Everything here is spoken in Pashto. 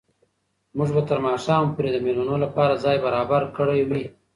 موږ به تر ماښامه پورې د مېلمنو لپاره ځای برابر کړی وي.